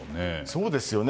そうですよね。